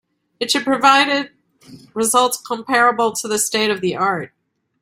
It should provided results comparable to the state of the art.